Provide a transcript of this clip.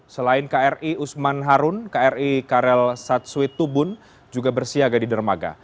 selain kri usman harun kri karel satsuit tubun juga bersiaga di dermaga